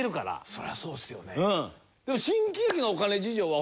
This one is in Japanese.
そりゃそうですよね。